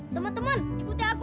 teman teman ikuti aku